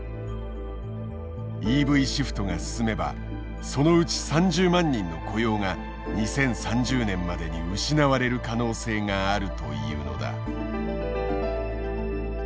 ＥＶシフトが進めばそのうち３０万人の雇用が２０３０年までに失われる可能性があるというのだ。